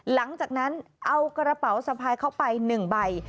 หลังจากนั้นเอากระเป๋าสะพายเข้าไป๑ใบ